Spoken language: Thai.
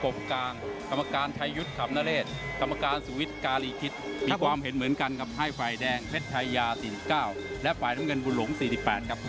มีความเห็นเหมือนกันกับไทยไฟแดงเพชรไทยา๔๙และฝ่ายน้ำเงินบุญหลง๔๘ครับ